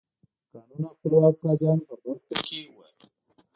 د قانون او خپلواکو قاضیانو په برخو کې وو.